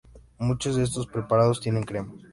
Muchos de estos preparados tienen crema.